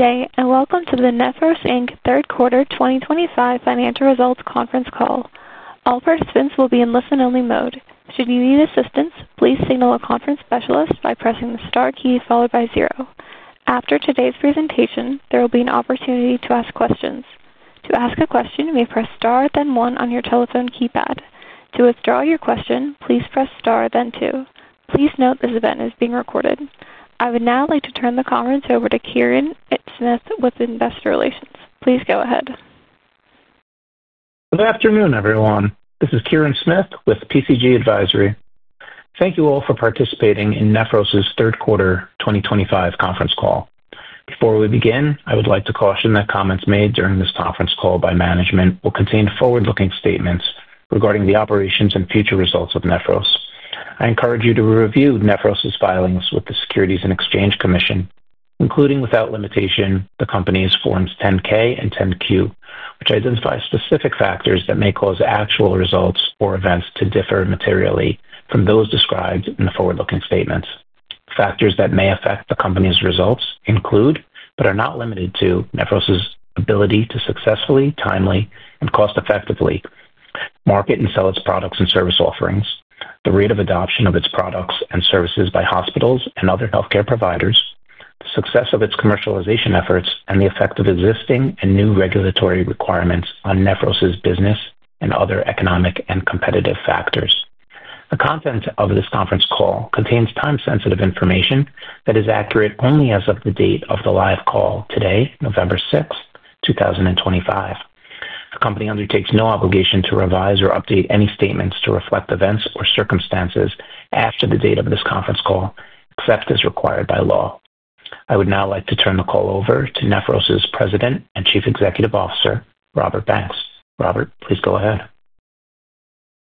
Today, a welcome to the Nephros third quarter 2025 financial results conference call. All participants will be in listen-only mode. Should you need assistance, please signal a conference specialist by pressing the star key followed by zero. After today's presentation, there will be an opportunity to ask questions. To ask a question, you may press star then one on your telephone keypad. To withdraw your question, please press star then two. Please note this event is being recorded. I would now like to turn the conference over to Kirin Smith with Investor Relations. Please go ahead. Good afternoon, everyone. This is Kirin Smith with PCG Advisory. Thank you all for participating in Nephros' third quarter 2025 conference call. Before we begin, I would like to caution that comments made during this conference call by management will contain forward-looking statements regarding the operations and future results of Nephros. I encourage you to review Nephros' filings with the Securities and Exchange Commission, including without limitation the company's Forms 10-K and 10-Q, which identify specific factors that may cause actual results or events to differ materially from those described in the forward-looking statements. Factors that may affect the company's results include, but are not limited to, Nephros' ability to successfully, timely, and cost-effectively market and sell its products and service offerings, the rate of adoption of its products and services by hospitals and other healthcare providers, the success of its commercialization efforts, and the effect of existing and new regulatory requirements on Nephros' business and other economic and competitive factors. The content of this conference call contains time-sensitive information that is accurate only as of the date of the live call today, November 6th, 2025. The company undertakes no obligation to revise or update any statements to reflect events or circumstances after the date of this conference call, except as required by law. I would now like to turn the call over to Nephros' President and Chief Executive Officer, Robert Banks. Robert, please go ahead.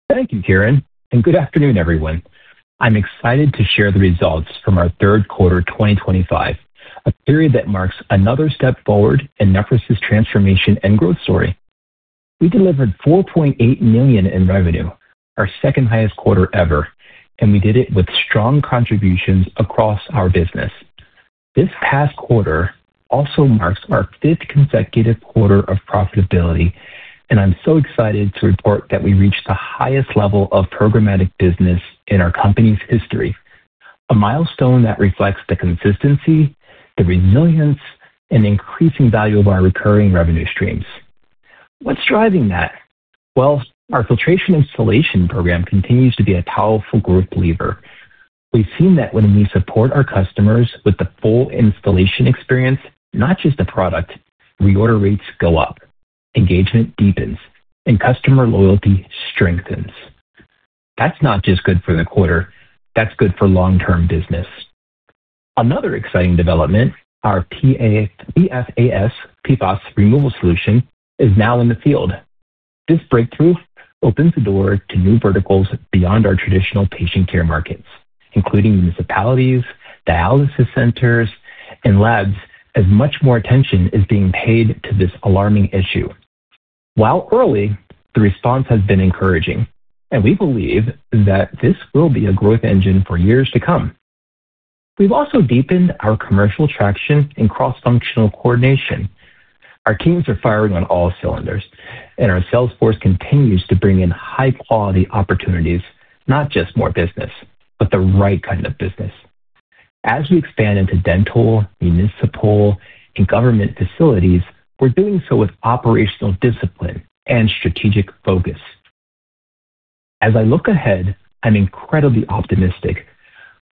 Thank you, Keiran, and good afternoon, everyone. I'm excited to share the results from our third quarter 2025, a period that marks another step forward in Nephros' transformation and growth story. We delivered $4.8 million in revenue, our second-highest quarter ever, and we did it with strong contributions across our business. This past quarter also marks our fifth consecutive quarter of profitability, and I'm so excited to report that we reached the highest level of programmatic business in our company's history, a milestone that reflects the consistency, the resilience, and increasing value of our recurring revenue streams. What's driving that? Our Filtration Installation Program continues to be a powerful growth lever. We've seen that when we support our customers with the full installation experience, not just the product, reorder rates go up, engagement deepens, and customer loyalty strengthens. That's not just good for the quarter, that's good for long-term business. Another exciting development, our PFAS removal solution is now in the field. This breakthrough opens the door to new verticals beyond our traditional patient care markets, including municipalities, dialysis centers, and labs, as much more attention is being paid to this alarming issue. While early, the response has been encouraging, and we believe that this will be a growth engine for years to come. We've also deepened our commercial traction and cross-functional coordination. Our teams are firing on all cylinders, and our sales force continues to bring in high-quality opportunities, not just more business, but the right kind of business. As we expand into dental, municipal, and government facilities, we're doing so with operational discipline and strategic focus. As I look ahead, I'm incredibly optimistic.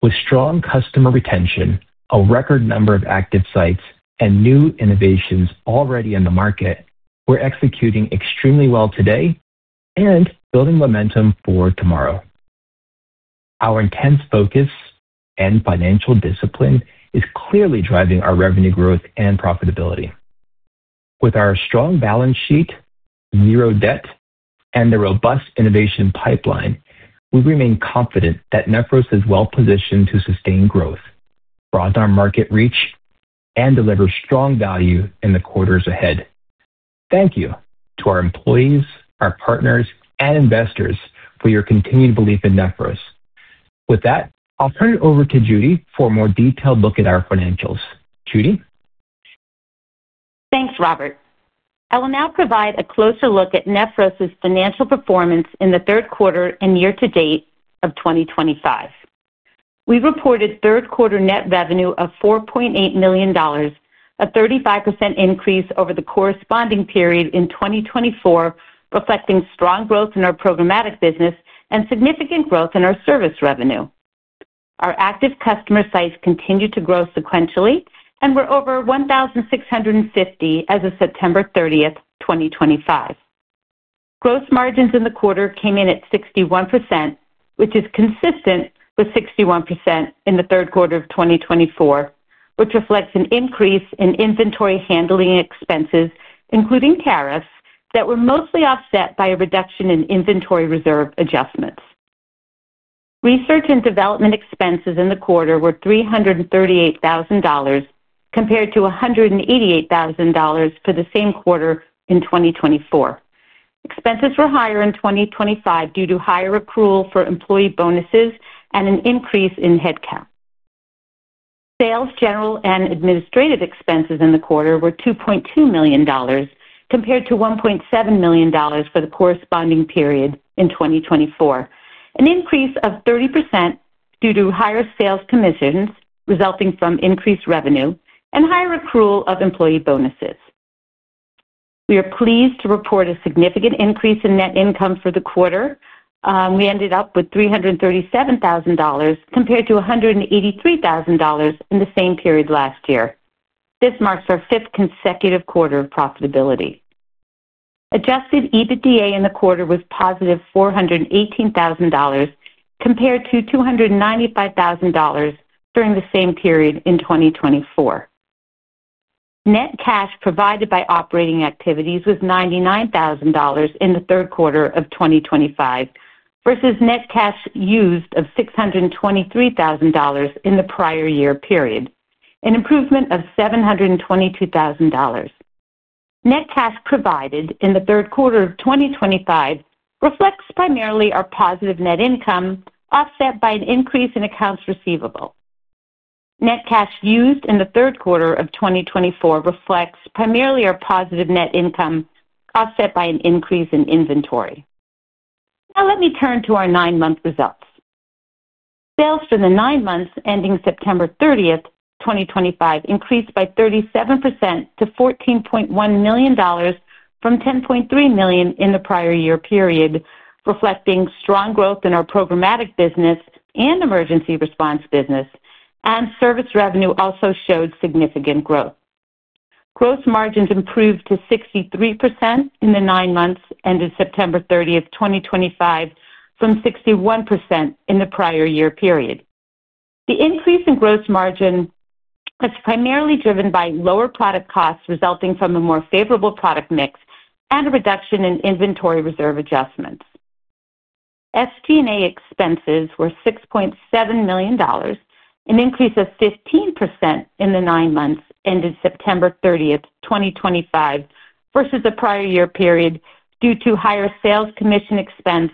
With strong customer retention, a record number of active sites, and new innovations already in the market, we're executing extremely well today and building momentum for tomorrow. Our intense focus and financial discipline is clearly driving our revenue growth and profitability. With our strong balance sheet, zero debt, and the robust innovation pipeline, we remain confident that Nephros is well-positioned to sustain growth, broaden our market reach, and deliver strong value in the quarters ahead. Thank you to our employees, our partners, and investors for your continued belief in Nephros. With that, I'll turn it over to Judy for a more detailed look at our financials. Judy? Thanks, Robert. I will now provide a closer look at Nephros' financial performance in the third quarter and year-to-date of 2025. We reported third-quarter net revenue of $4.8 million, a 35% increase over the corresponding period in 2024, reflecting strong growth in our programmatic business and significant growth in our service revenue. Our active customer sites continue to grow sequentially, and we're over 1,650 as of September 30th, 2025. Gross margins in the quarter came in at 61%, which is consistent with 61% in the third quarter of 2024, which reflects an increase in inventory handling expenses, including tariffs, that were mostly offset by a reduction in inventory reserve adjustments. Research and development expenses in the quarter were $338,000, compared to $188,000 for the same quarter in 2024. Expenses were higher in 2025 due to higher accrual for employee bonuses and an increase in headcount. Sales, general, and administrative expenses in the quarter were $2.2 million, compared to $1.7 million for the corresponding period in 2024, an increase of 30% due to higher sales commissions resulting from increased revenue and higher accrual of employee bonuses. We are pleased to report a significant increase in net income for the quarter. We ended up with $337,000, compared to $183,000 in the same period last year. This marks our fifth consecutive quarter of profitability. Adjusted EBITDA in the quarter was positive $418,000, compared to $295,000 during the same period in 2024. Net cash provided by operating activities was $99,000 in the third quarter of 2025 versus net cash used of $623,000 in the prior year period, an improvement of $722,000. Net cash provided in the third quarter of 2025 reflects primarily our positive net income offset by an increase in accounts receivable. Net cash used in the third quarter of 2024 reflects primarily our positive net income offset by an increase in inventory. Now, let me turn to our nine-month results. Sales for the nine months ending September 30th, 2025, increased by 37% to $14.1 million from $10.3 million in the prior year period, reflecting strong growth in our programmatic business and emergency response business. Service revenue also showed significant growth. Gross margins improved to 63% in the nine months ended September 30th, 2025, from 61% in the prior year period. The increase in gross margin was primarily driven by lower product costs resulting from a more favorable product mix and a reduction in inventory reserve adjustments. SG&A expenses were $6.7 million, an increase of 15% in the nine months ended September 30, 2025, versus the prior year period due to higher sales commission expense,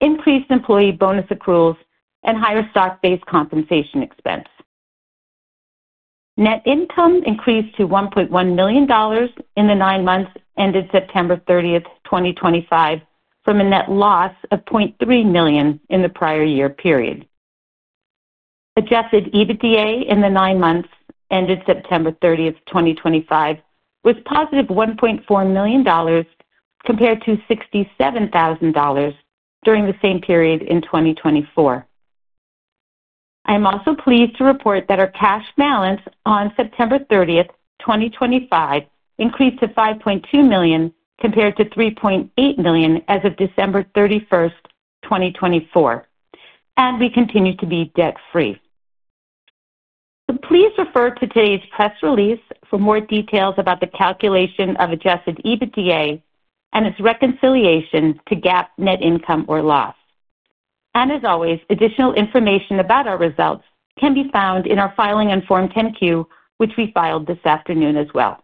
increased employee bonus accruals, and higher stock-based compensation expense. Net income increased to $1.1 million in the nine months ended September 30, 2025, from a net loss of $0.3 million in the prior year period. Adjusted EBITDA in the nine months ended September 30, 2025, was positive $1.4 million, compared to $67,000 during the same period in 2024. I am also pleased to report that our cash balance on September 30, 2025, increased to $5.2 million compared to $3.8 million as of December 31, 2024. We continue to be debt-free. Please refer to today's press release for more details about the calculation of Adjusted EBITDA and its reconciliation to GAAP net income or loss. As always, additional information about our results can be found in our filing on Form 10-Q, which we filed this afternoon as well.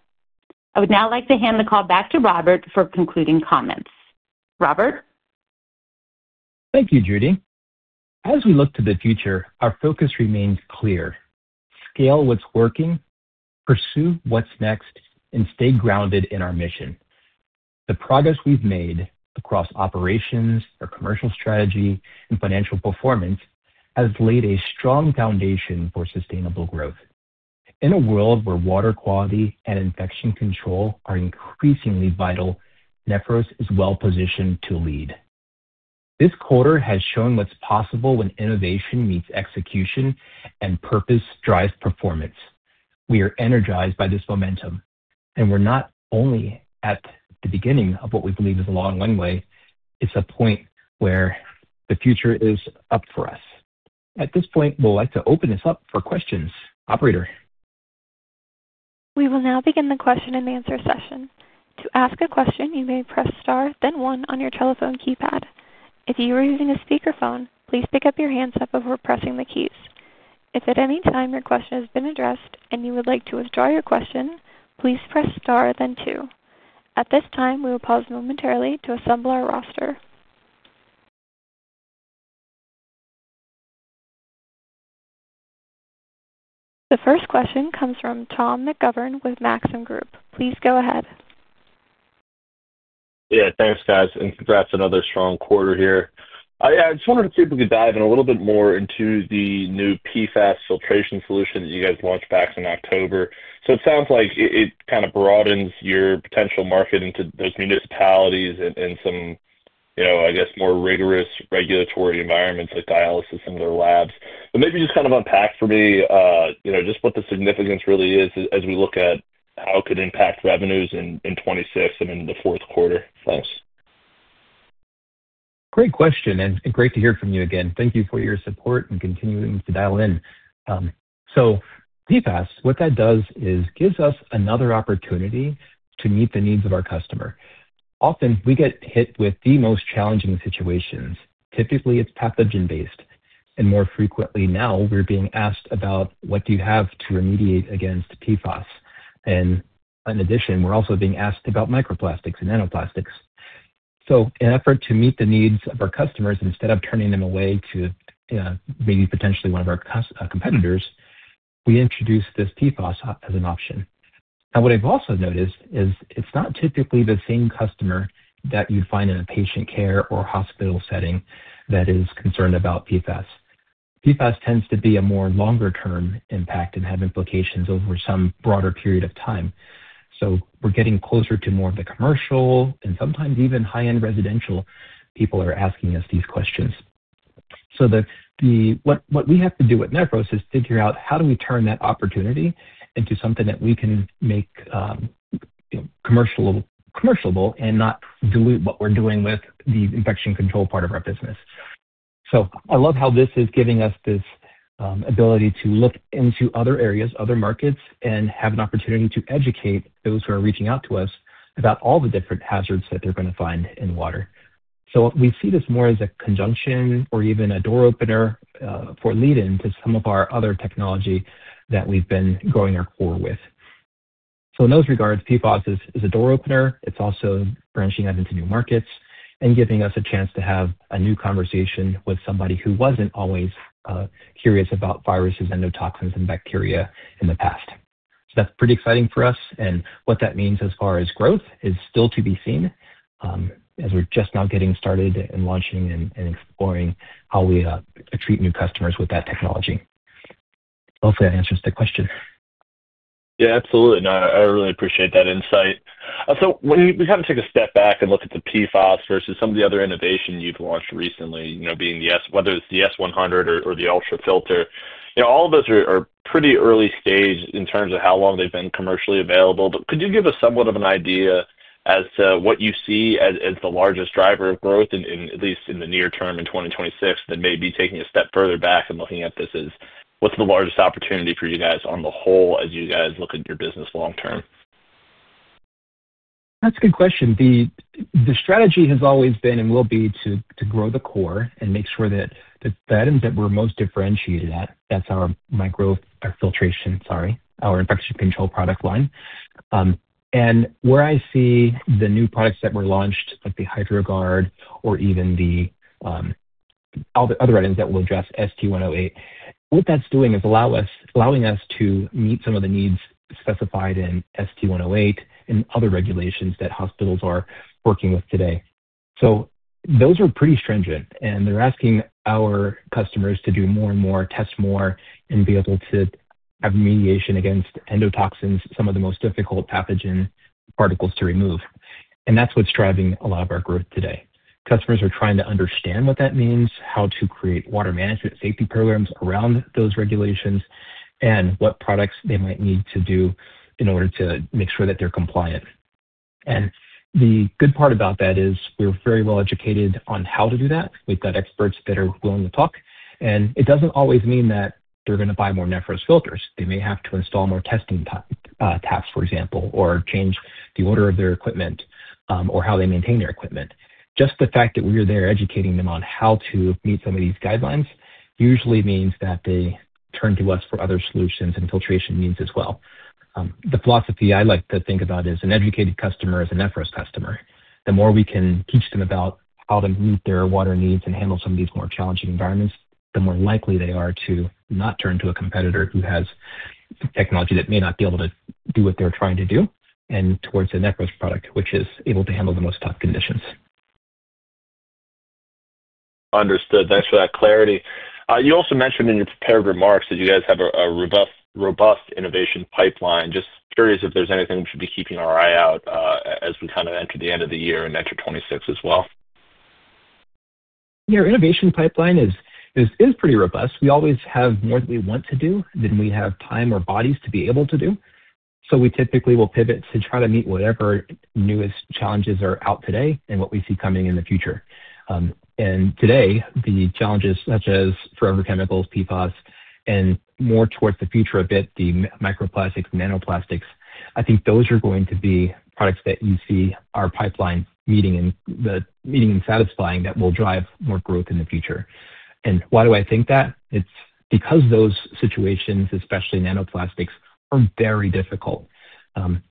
I would now like to hand the call back to Robert for concluding comments. Robert? Thank you, Judy. As we look to the future, our focus remains clear: scale what's working, pursue what's next, and stay grounded in our mission. The progress we've made across operations, our commercial strategy, and financial performance has laid a strong foundation for sustainable growth. In a world where water quality and infection control are increasingly vital, Nephros is well-positioned to lead. This quarter has shown what's possible when innovation meets execution and purpose drives performance. We are energized by this momentum, and we're not only at the beginning of what we believe is a long runway; it's a point where the future is up for us. At this point, we'd like to open this up for questions. Operator. We will now begin the question and answer session. To ask a question, you may press star then one on your telephone keypad. If you are using a speakerphone, please pick up your handset before pressing the keys. If at any time your question has been addressed and you would like to withdraw your question, please press star then two. At this time, we will pause momentarily to assemble our roster. The first question comes from Tom McGovern with Maxim Group. Please go ahead. Yeah, thanks, guys. Congrats on another strong quarter here. I just wanted to see if we could dive in a little bit more into the new PFAS filtration solution that you guys launched back in October. It sounds like it kind of broadens your potential market into those municipalities and some, I guess, more rigorous regulatory environments like dialysis and other labs. Maybe just kind of unpack for me just what the significance really is as we look at how it could impact revenues in 2026 and in the fourth quarter. Thanks. Great question, and great to hear from you again. Thank you for your support and continuing to dial in. PFAS, what that does is gives us another opportunity to meet the needs of our customer. Often, we get hit with the most challenging situations. Typically, it's pathogen-based. More frequently now, we're being asked about what do you have to remediate against PFAS. In addition, we're also being asked about microplastics and nanoplastics. In an effort to meet the needs of our customers, instead of turning them away to maybe potentially one of our competitors, we introduced this PFAS as an option. What I've also noticed is it's not typically the same customer that you'd find in a patient care or hospital setting that is concerned about PFAS. PFAS tends to be a more longer-term impact and have implications over some broader period of time. We're getting closer to more of the commercial and sometimes even high-end residential people are asking us these questions. What we have to do at Nephros is figure out how do we turn that opportunity into something that we can make commercial and not dilute what we're doing with the infection control part of our business. I love how this is giving us this ability to look into other areas, other markets, and have an opportunity to educate those who are reaching out to us about all the different hazards that they're going to find in water. We see this more as a conjunction or even a door opener for lead-in to some of our other technology that we've been growing our core with. In those regards, PFAS is a door opener. It's also branching out into new markets and giving us a chance to have a new conversation with somebody who wasn't always curious about viruses and toxins and bacteria in the past. That's pretty exciting for us. What that means as far as growth is still to be seen. As we're just now getting started and launching and exploring how we treat new customers with that technology. Hopefully, that answers the question. Yeah, absolutely. No, I really appreciate that insight. When we kind of take a step back and look at the PFAS versus some of the other innovation you've launched recently, being the S, whether it's the S100 or the UltraFilter, all of those are pretty early stage in terms of how long they've been commercially available. Could you give us somewhat of an idea as to what you see as the largest driver of growth, at least in the near term in 2026? That may be taking a step further back and looking at this as what's the largest opportunity for you guys on the whole as you guys look at your business long-term? That's a good question. The strategy has always been and will be to grow the core and make sure that the items that we're most differentiated at, that's our microfiltration, sorry, our infection control product line. Where I see the new products that were launched, like the HydroGuard or even the other items that will address ST108, what that's doing is allowing us to meet some of the needs specified in ST108 and other regulations that hospitals are working with today. Those are pretty stringent, and they're asking our customers to do more and more, test more, and be able to have remediation against endotoxins, some of the most difficult pathogen particles to remove. That's what's driving a lot of our growth today. Customers are trying to understand what that means, how to create water management safety programs around those regulations, and what products they might need to do in order to make sure that they're compliant. The good part about that is we're very well educated on how to do that. We've got experts that are willing to talk. It doesn't always mean that they're going to buy more Nephros filters. They may have to install more testing, taps, for example, or change the order of their equipment or how they maintain their equipment. Just the fact that we're there educating them on how to meet some of these guidelines usually means that they turn to us for other solutions and filtration needs as well. The philosophy I like to think about is an educated customer is a Nephros customer. The more we can teach them about how to meet their water needs and handle some of these more challenging environments, the more likely they are to not turn to a competitor who has technology that may not be able to do what they're trying to do and towards a Nephros product, which is able to handle the most tough conditions. Understood. Thanks for that clarity. You also mentioned in your prepared remarks that you guys have a robust innovation pipeline. Just curious if there's anything we should be keeping our eye out as we kind of enter the end of the year and enter 2026 as well. Yeah, our innovation pipeline is pretty robust. We always have more that we want to do than we have time or bodies to be able to do. We typically will pivot to try to meet whatever newest challenges are out today and what we see coming in the future. Today, the challenges such as forever chemicals, PFAS, and more towards the future a bit, the microplastics, nanoplastics, I think those are going to be products that you see our pipeline meeting and satisfying that will drive more growth in the future. Why do I think that? It's because those situations, especially nanoplastics, are very difficult.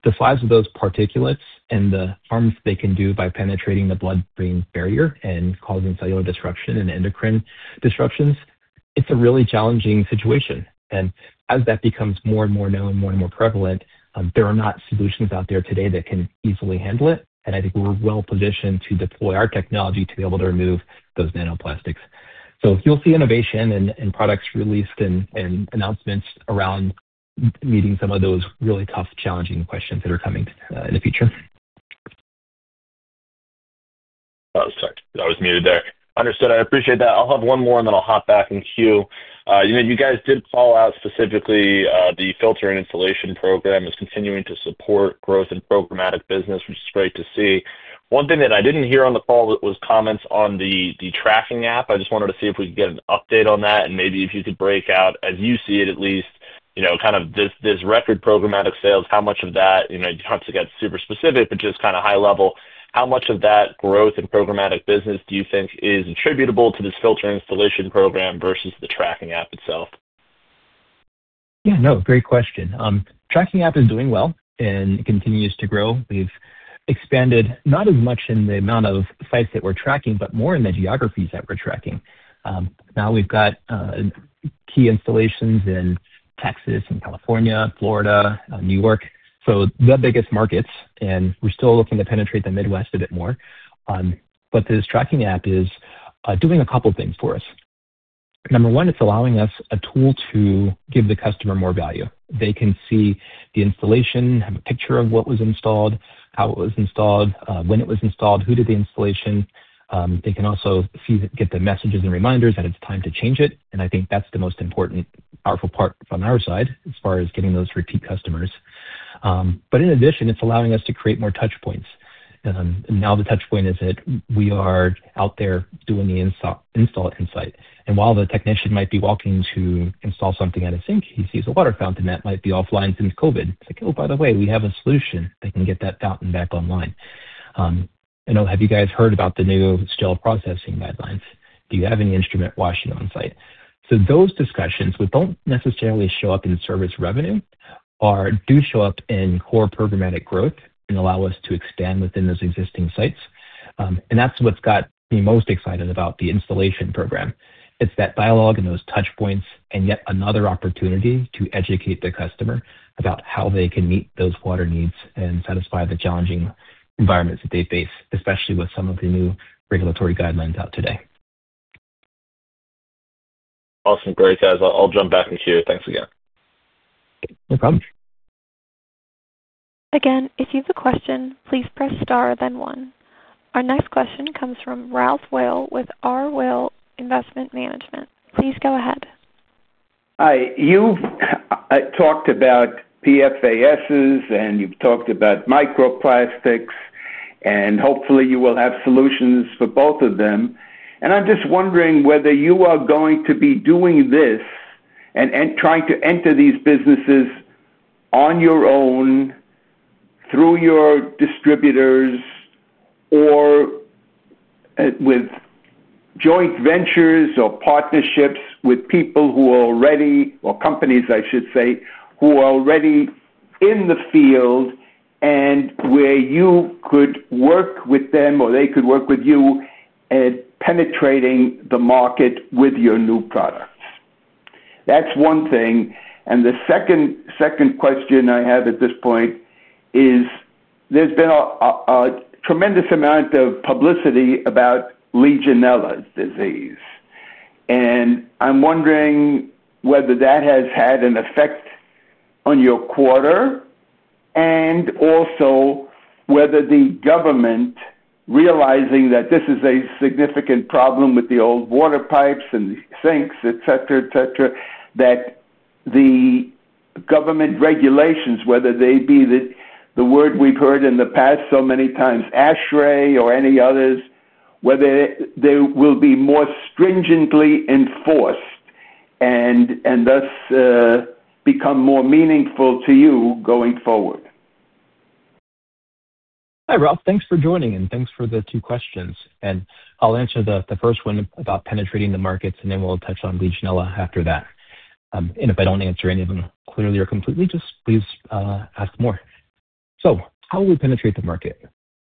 The size of those particulates and the harms they can do by penetrating the blood-brain barrier and causing cellular disruption and endocrine disruptions, it's a really challenging situation. As that becomes more and more known and more and more prevalent, there are not solutions out there today that can easily handle it. I think we're well positioned to deploy our technology to be able to remove those nanoplastics. You'll see innovation and products released and announcements around meeting some of those really tough, challenging questions that are coming in the future. Sorry, I was muted there. Understood. I appreciate that. I'll have one more, and then I'll hop back in queue. You guys did call out specifically the filter and installation program is continuing to support growth and programmatic business, which is great to see. One thing that I didn't hear on the call was comments on the tracking app. I just wanted to see if we could get an update on that and maybe if you could break out, as you see it at least, kind of this record programmatic sales, how much of that, not to get super specific, but just kind of high level, how much of that growth and programmatic business do you think is attributable to this filter installation program versus the tracking app itself? Yeah, no, great question. Tracking app is doing well and continues to grow. We've expanded not as much in the amount of sites that we're tracking, but more in the geographies that we're tracking. Now we've got key installations in Texas and California, Florida, New York. The biggest markets, and we're still looking to penetrate the Midwest a bit more. This tracking app is doing a couple of things for us. Number one, it's allowing us a tool to give the customer more value. They can see the installation, have a picture of what was installed, how it was installed, when it was installed, who did the installation. They can also get the messages and reminders that it's time to change it. I think that's the most important, powerful part from our side as far as getting those repeat customers. In addition, it's allowing us to create more touchpoints. Now the touchpoint is that we are out there doing the install in sight. While the technician might be walking to install something at a sink, he sees a water fountain that might be offline since COVID. It's like, "Oh, by the way, we have a solution. They can get that fountain back online." I'll ask, have you guys heard about the new sterile processing guidelines? Do you have any instrument washing on site? Those discussions that do not necessarily show up in service revenue do show up in core programmatic growth and allow us to expand within those existing sites. That is what has me most excited about the installation program. It's that dialogue and those touchpoints and yet another opportunity to educate the customer about how they can meet those water needs and satisfy the challenging environments that they face, especially with some of the new regulatory guidelines out today. Awesome. Great, guys. I'll jump back in queue. Thanks again. No problem. Again, if you have a question, please press star then one. Our next question comes from Ralph Whale with RWhale Investment Management. Please go ahead. Hi. You've talked about PFAS, and you've talked about microplastics, and hopefully, you will have solutions for both of them. I'm just wondering whether you are going to be doing this and trying to enter these businesses on your own, through your distributors, or with joint ventures or partnerships with people who are ready, or companies, I should say, who are already in the field and where you could work with them or they could work with you, penetrating the market with your new products. That's one thing. The second question I have at this point is, there's been a tremendous amount of publicity about Legionella disease. I'm wondering whether that has had an effect on your quarter. Also, whether the government, realizing that this is a significant problem with the old water pipes and the sinks, etc., etc., that the. Government regulations, whether they be the word we've heard in the past so many times, ASHRAE or any others, whether they will be more stringently enforced and thus become more meaningful to you going forward. Hi, Ralph. Thanks for joining, and thanks for the two questions. I'll answer the first one about penetrating the markets, and then we'll touch on Legionella after that. If I don't answer any of them clearly or completely, just please ask more. How will we penetrate the market?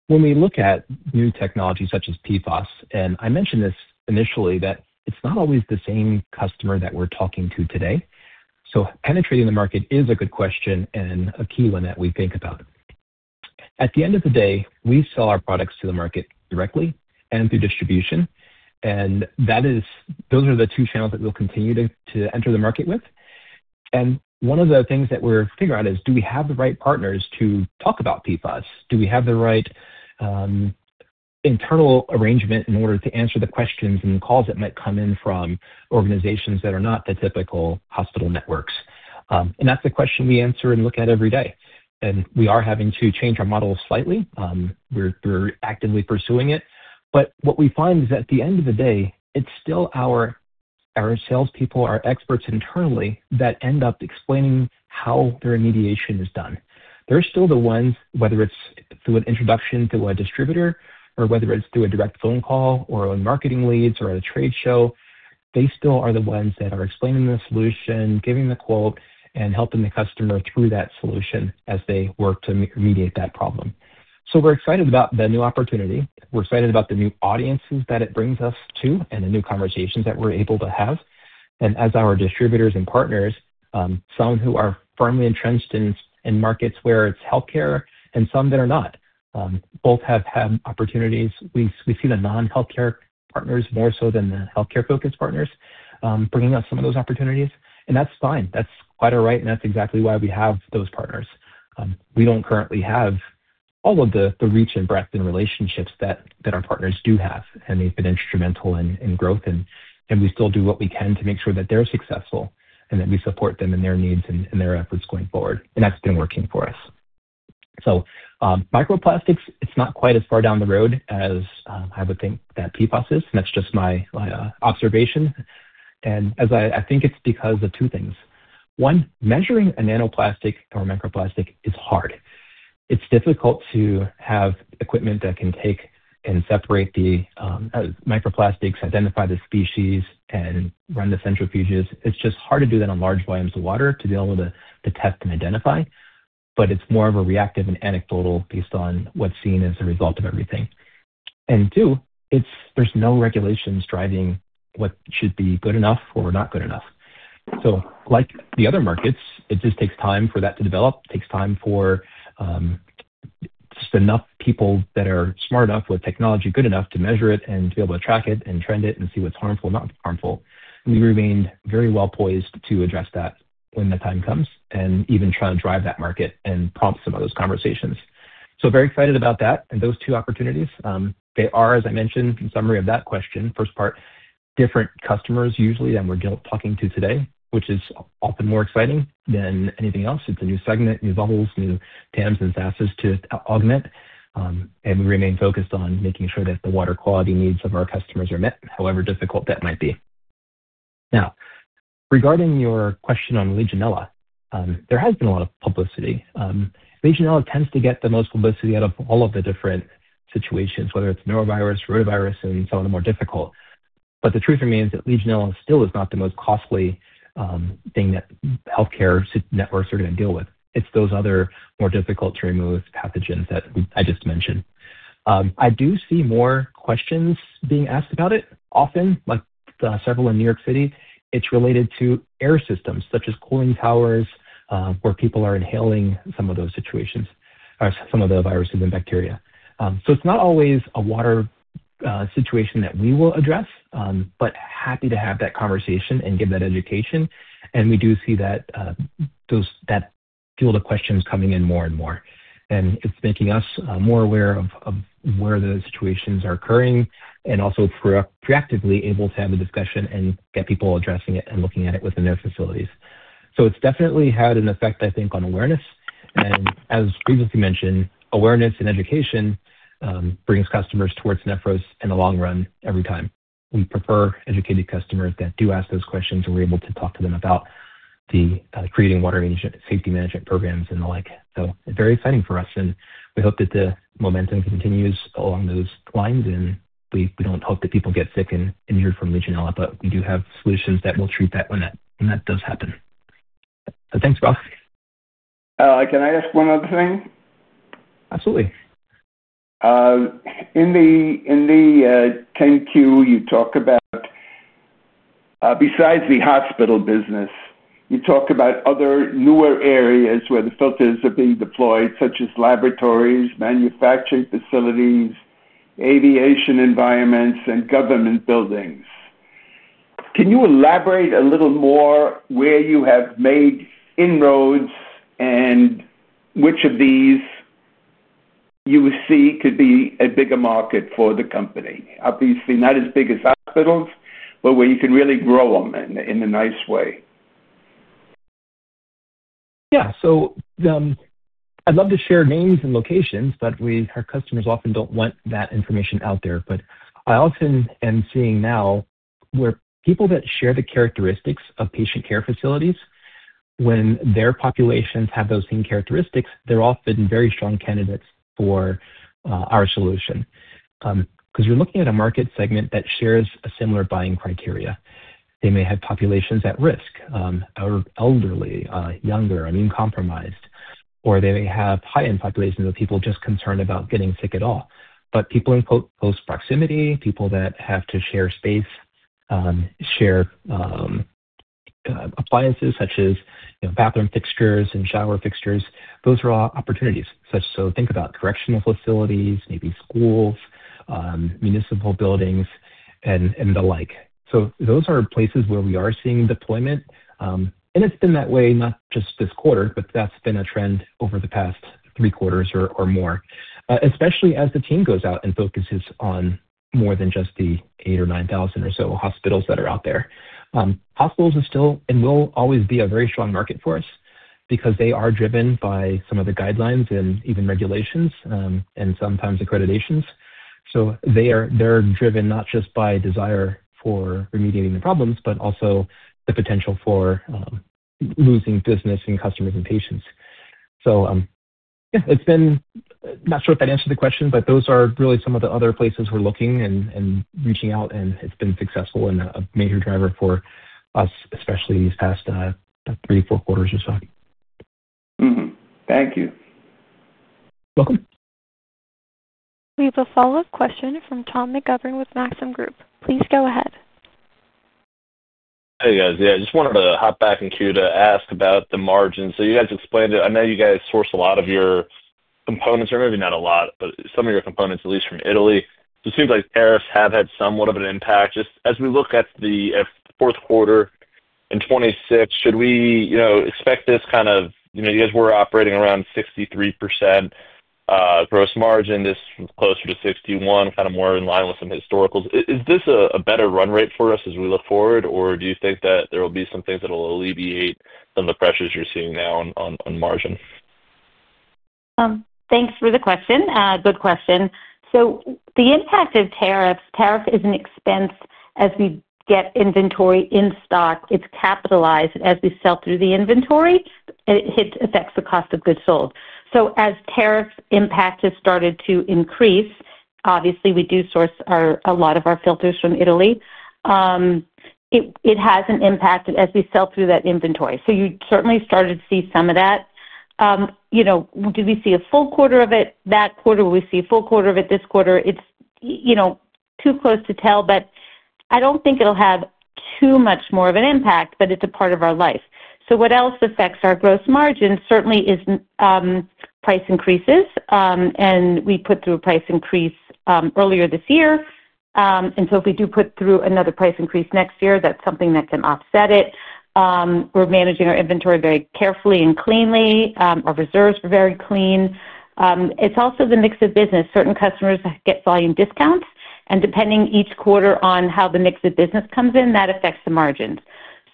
When we look at new technologies such as PFAS, and I mentioned this initially, it's not always the same customer that we're talking to today. Penetrating the market is a good question and a key one that we think about. At the end of the day, we sell our products to the market directly and through distribution. Those are the two channels that we'll continue to enter the market with. One of the things that we're figuring out is, do we have the right partners to talk about PFAS? Do we have the right. Internal arrangement in order to answer the questions and the calls that might come in from organizations that are not the typical hospital networks? That is the question we answer and look at every day. We are having to change our model slightly. We're actively pursuing it. What we find is at the end of the day, it's still our salespeople, our experts internally that end up explaining how their remediation is done. They're still the ones, whether it's through an introduction to a distributor or whether it's through a direct phone call or marketing leads or a trade show, they still are the ones that are explaining the solution, giving the quote, and helping the customer through that solution as they work to remediate that problem. We are excited about the new opportunity. We're excited about the new audiences that it brings us to and the new conversations that we're able to have. As our distributors and partners, some who are firmly entrenched in markets where it's healthcare and some that are not, both have had opportunities. We see the non-healthcare partners more so than the healthcare-focused partners bringing us some of those opportunities. That's fine. That's quite all right. That's exactly why we have those partners. We don't currently have all of the reach and breadth and relationships that our partners do have, and they've been instrumental in growth. We still do what we can to make sure that they're successful and that we support them in their needs and their efforts going forward. That's been working for us. Microplastics, it's not quite as far down the road as I would think that PFAS is. That's just my observation. I think it's because of two things. One, measuring a nanoplastic or microplastic is hard. It's difficult to have equipment that can take and separate the microplastics, identify the species, and run the centrifuges. It's just hard to do that on large volumes of water to be able to detect and identify. It's more of a reactive and anecdotal process based on what's seen as the result of everything. Two, there's no regulations driving what should be good enough or not good enough. Like the other markets, it just takes time for that to develop. It takes time for just enough people that are smart enough with technology, good enough to measure it and to be able to track it and trend it and see what's harmful, not harmful. We remain very well poised to address that when the time comes and even try to drive that market and prompt some of those conversations. Very excited about that and those two opportunities. They are, as I mentioned, in summary of that question, first part, different customers usually than we're talking to today, which is often more exciting than anything else. It's a new segment, new levels, new TAMs and SASs to augment. We remain focused on making sure that the water quality needs of our customers are met, however difficult that might be. Now, regarding your question on Legionella, there has been a lot of publicity. Legionella tends to get the most publicity out of all of the different situations, whether it's norovirus, rotavirus, and some of the more difficult. The truth remains that Legionella still is not the most costly. Thing that healthcare networks are going to deal with. It's those other more difficult-to-remove pathogens that I just mentioned. I do see more questions being asked about it often, like several in New York City. It's related to air systems, such as cooling towers where people are inhaling some of those situations, some of the viruses and bacteria. It is not always a water situation that we will address, but happy to have that conversation and give that education. We do see that fuel the questions coming in more and more. It is making us more aware of where the situations are occurring and also pre-actively able to have the discussion and get people addressing it and looking at it within their facilities. It has definitely had an effect, I think, on awareness. As previously mentioned, awareness and education brings customers towards Nephros in the long run every time. We prefer educated customers that do ask those questions and we're able to talk to them about creating water safety management programs and the like. It is very exciting for us. We hope that the momentum continues along those lines. We do not hope that people get sick and injured from Legionella, but we do have solutions that will treat that when that does happen. Thanks, Ralph. Can I ask one other thing? Absolutely. In the 10-Q, you talk about, besides the hospital business, you talk about other newer areas where the filters are being deployed, such as laboratories, manufacturing facilities, aviation environments, and government buildings. Can you elaborate a little more where you have made inroads and which of these you see could be a bigger market for the company? Obviously, not as big as hospitals, but where you can really grow them in a nice way. Yeah. I'd love to share names and locations, but our customers often don't want that information out there. I often am seeing now where people that share the characteristics of patient care facilities, when their populations have those same characteristics, they're often very strong candidates for our solution. Because you're looking at a market segment that shares a similar buying criteria. They may have populations at risk: elderly, younger, immune-compromised, or they may have high-end populations of people just concerned about getting sick at all. People in close proximity, people that have to share space, share appliances such as bathroom fixtures and shower fixtures, those are all opportunities. Think about correctional facilities, maybe schools, municipal buildings, and the like. Those are places where we are seeing deployment. It's been that way, not just this quarter, but that's been a trend over the past three quarters or more, especially as the team goes out and focuses on more than just the 8,000 or 9,000 or so hospitals that are out there. Hospitals are still and will always be a very strong market for us because they are driven by some of the guidelines and even regulations and sometimes accreditations. They are driven not just by desire for remediating the problems, but also the potential for losing business and customers and patients. Yeah, it's been—not sure if that answered the question, but those are really some of the other places we're looking and reaching out, and it's been successful and a major driver for us, especially these past three or four quarters or so. Thank you. Welcome. We have a follow-up question from Tom McGovern with Maxim Group. Please go ahead. Hey, guys. Yeah, I just wanted to hop back in queue to ask about the margins. You guys explained it. I know you guys source a lot of your components, or maybe not a lot, but some of your components, at least from Italy. It seems like tariffs have had somewhat of an impact. As we look at the fourth quarter in 2026, should we expect this kind of, you guys were operating around 63% gross margin, this was closer to 61%, kind of more in line with some historicals. Is this a better run rate for us as we look forward, or do you think that there will be some things that will alleviate some of the pressures you are seeing now on margin? Thanks for the question. Good question. The impact of tariffs, tariff is an expense as we get inventory in stock. It's capitalized as we sell through the inventory. It affects the cost of goods sold. As tariff impact has started to increase, obviously, we do source a lot of our filters from Italy. It has an impact as we sell through that inventory. You certainly started to see some of that. Did we see a full quarter of it that quarter, we see a full quarter of it this quarter. It's too close to tell, but I don't think it'll have too much more of an impact, but it's a part of our life. What else affects our gross margin certainly is price increases. We put through a price increase earlier this year. If we do put through another price increase next year, that's something that can offset it. We're managing our inventory very carefully and cleanly. Our reserves are very clean. It's also the mix of business. Certain customers get volume discounts. Depending each quarter on how the mix of business comes in, that affects the margins.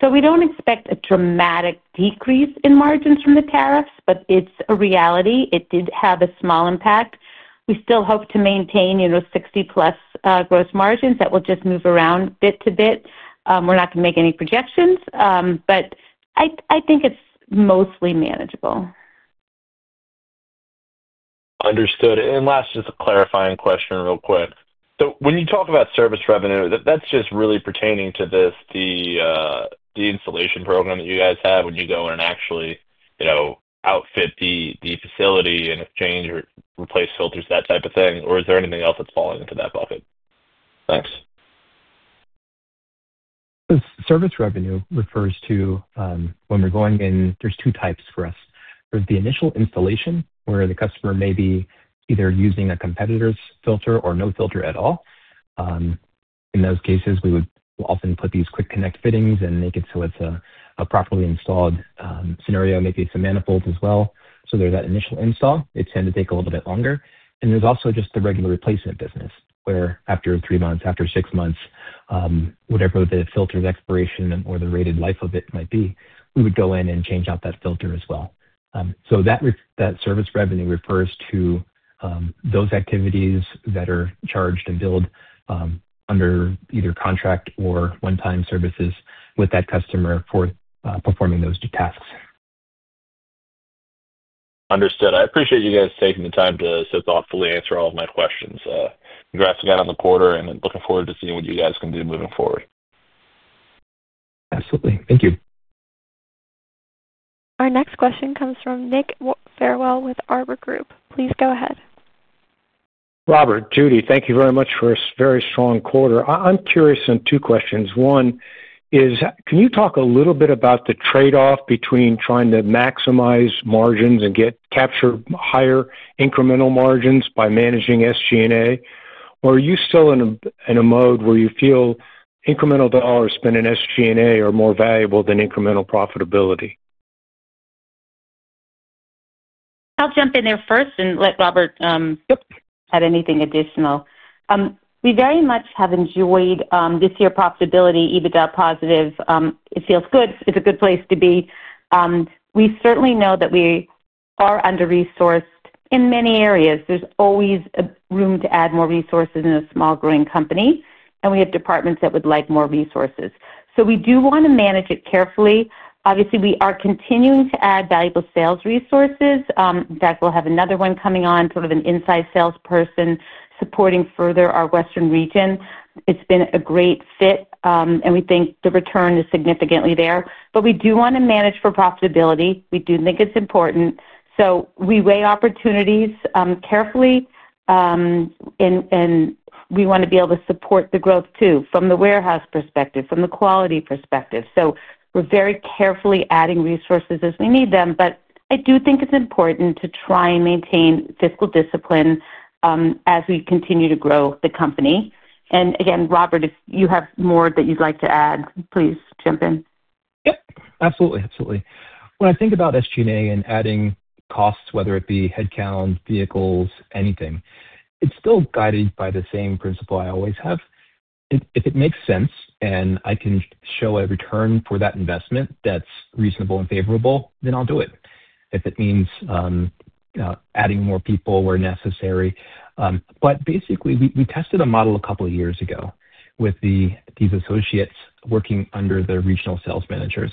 We don't expect a dramatic decrease in margins from the tariffs, but it's a reality. It did have a small impact. We still hope to maintain 60% plus gross margins. That will just move around bit to bit. We're not going to make any projections, but I think it's mostly manageable. Understood. Last, just a clarifying question real quick. When you talk about service revenue, that's just really pertaining to the installation program that you guys have when you go and actually outfit the facility and exchange or replace filters, that type of thing, or is there anything else that's falling into that bucket? Thanks. Service revenue refers to. When we're going in, there's two types for us. There's the initial installation, where the customer may be either using a competitor's filter or no filter at all. In those cases, we would often put these quick connect fittings and make it so it's a properly installed scenario. Maybe it's a manifold as well. There is that initial install. It tends to take a little bit longer. There is also just the regular replacement business, where after three months, after six months, whatever the filter's expiration or the rated life of it might be, we would go in and change out that filter as well. That service revenue refers to those activities that are charged and billed under either contract or one-time services with that customer for performing those tasks. Understood. I appreciate you guys taking the time to so thoughtfully answer all of my questions. Congrats again on the quarter, and looking forward to seeing what you guys can do moving forward. Absolutely. Thank you. Our next question comes from Nick Farwell with Barbour Group. Please go ahead. Robert, Judy, thank you very much for a very strong quarter. I'm curious on two questions. One is, can you talk a little bit about the trade-off between trying to maximize margins and capture higher incremental margins by managing SG&A? Are you still in a mode where you feel incremental dollars spent in SG&A are more valuable than incremental profitability? I'll jump in there first and let Robert add anything additional. We very much have enjoyed this year's profitability, EBITDA positive. It feels good. It's a good place to be. We certainly know that we are under-resourced in many areas. There's always room to add more resources in a small, growing company. We have departments that would like more resources. We do want to manage it carefully. Obviously, we are continuing to add valuable sales resources. In fact, we'll have another one coming on, sort of an inside salesperson supporting further our Western region. It's been a great fit, and we think the return is significantly there. We do want to manage for profitability. We do think it's important. We weigh opportunities carefully. We want to be able to support the growth too, from the warehouse perspective, from the quality perspective. We're very carefully adding resources as we need them. I do think it's important to try and maintain fiscal discipline as we continue to grow the company. Again, Robert, if you have more that you'd like to add, please jump in. Yep. Absolutely. Absolutely. When I think about SG&A and adding costs, whether it be headcount, vehicles, anything, it's still guided by the same principle I always have. If it makes sense and I can show a return for that investment that's reasonable and favorable, then I'll do it. If it means adding more people where necessary. Basically, we tested a model a couple of years ago with these associates working under the regional sales managers.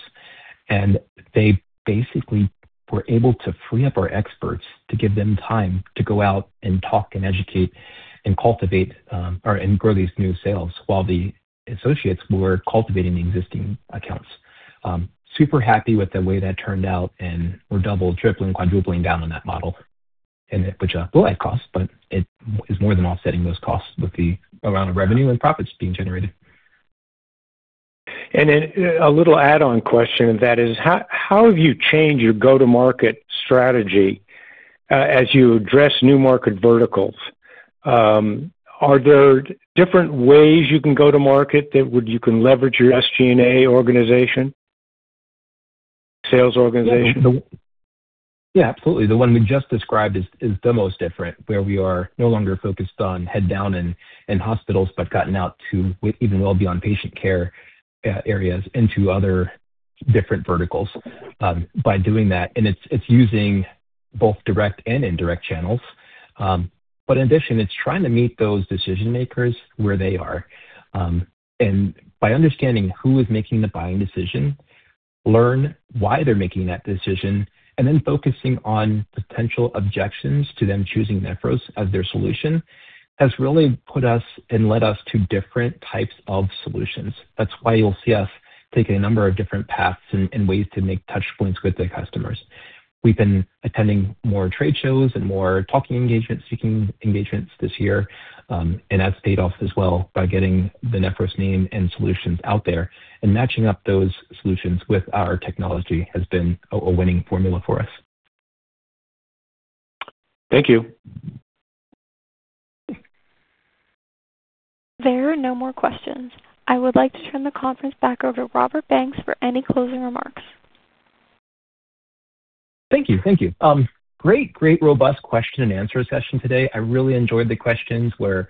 They basically were able to free up our experts to give them time to go out and talk and educate and cultivate or grow these new sales while the associates were cultivating the existing accounts. Super happy with the way that turned out, and we're double, tripling, quadrupling down on that model, which blew out costs, but it is more than offsetting those costs with the amount of revenue and profits being generated. A little add-on question to that is, how have you changed your go-to-market strategy? As you address new market verticals, are there different ways you can go-to-market that you can leverage your SG&A organization, sales organization? Yeah, absolutely. The one we just described is the most different, where we are no longer focused on head-down and hospitals, but gotten out to even well beyond patient care areas into other different verticals by doing that. It is using both direct and indirect channels. In addition, it is trying to meet those decision-makers where they are. By understanding who is making the buying decision, learn why they're making that decision, and then focusing on potential objections to them choosing Nephros as their solution has really put us and led us to different types of solutions. That is why you'll see us taking a number of different paths and ways to make touchpoints with the customers. We've been attending more trade shows and more talking engagements, speaking engagements this year. That has paid off as well by getting the Nephros name and solutions out there. Matching up those solutions with our technology has been a winning formula for us. Thank you. There are no more questions. I would like to turn the conference back over to Robert Banks for any closing remarks. Thank you. Great, great robust question-and-answer session today. I really enjoyed the questions where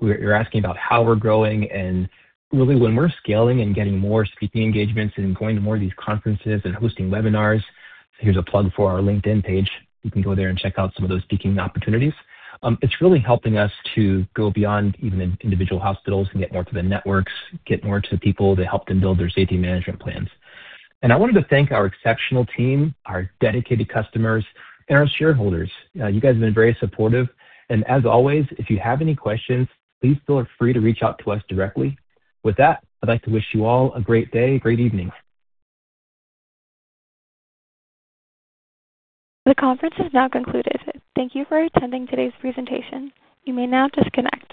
you're asking about how we're growing and really when we're scaling and getting more speaking engagements and going to more of these conferences and hosting webinars. Here's a plug for our LinkedIn page. You can go there and check out some of those speaking opportunities. It's really helping us to go beyond even individual hospitals and get more to the networks, get more to the people that help them build their safety management plans. I wanted to thank our exceptional team, our dedicated customers, and our shareholders. You guys have been very supportive. As always, if you have any questions, please feel free to reach out to us directly. With that, I'd like to wish you all a great day, great evening. The conference has now concluded. Thank you for attending today's presentation. You may now disconnect.